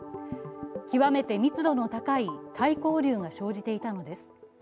極めて密度の高い対向流が生じていたのです。